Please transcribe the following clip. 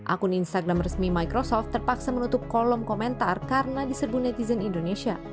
akun instagram resmi microsoft terpaksa menutup kolom komentar karena diserbu netizen indonesia